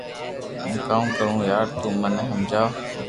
ھون ڪاو ڪرو يار تو مني ھمجاو